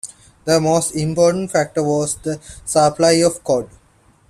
The most important factor was the supply of cod.